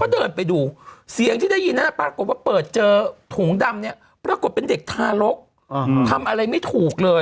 ก็เดินไปดูเสียงที่ได้ยินนั้นปรากฏว่าเปิดเจอถุงดำเนี่ยปรากฏเป็นเด็กทารกทำอะไรไม่ถูกเลย